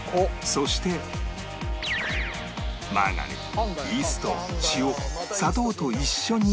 そしてマーガリンイースト塩砂糖と一緒に